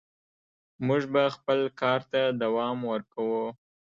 موږ به خپل کار ته دوام ورکوو.